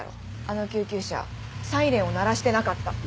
あの救急車サイレンを鳴らしてなかった。